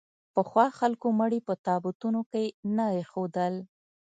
پخوا خلکو مړي په تابوتونو کې نه اېښودل.